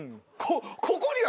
ここには。